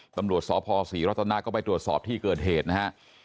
ตำรวจสพศรีรัตนาก็ไปตรวจสอบที่เกิดเหตุนะฮะ